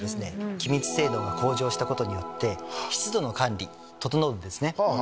気密性能が向上したことによって湿度の管理整うんですね。